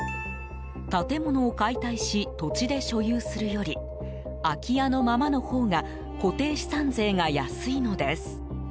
建物を解体し土地で所有するより空き家のままのほうが固定資産税が安いのです。